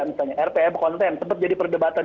misalnya rpm konten sempat jadi perdebatan